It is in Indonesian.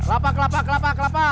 kelapa kelapa kelapa kelapa